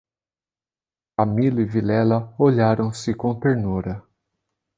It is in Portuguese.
Camilo e Vilela olharam-se com ternura.